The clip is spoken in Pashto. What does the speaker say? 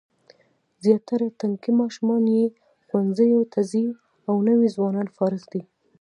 زیاتره تنکي ماشومان یې ښوونځیو ته ځي او نوي ځوانان فارغ دي.